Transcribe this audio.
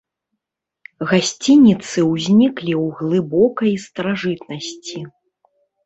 Гасцініцы ўзніклі ў глыбокай старажытнасці.